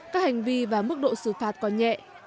các hành vi và mức độ xử phạt còn nhẹ